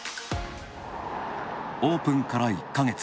オープンから１か月。